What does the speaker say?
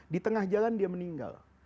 di tengah jalan dia meninggal